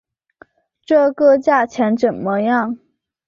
这个价钱怎么样？